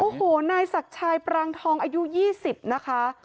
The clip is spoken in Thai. โอ้โหนายศักดิ์ชายปรางทองอายุ๒๐นะคะ